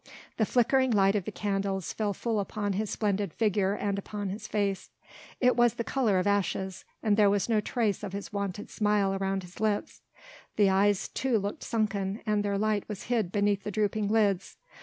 The flickering light of the candles fell full upon his splendid figure and upon his face: it was the colour of ashes, and there was no trace of his wonted smile around his lips: the eyes too looked sunken and their light was hid beneath the drooping lids.